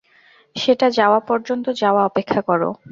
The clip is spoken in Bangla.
সেটা যাওয়া পর্যন্ত যাওয়া অপেক্ষা কর।